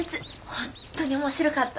本当に面白かったわ。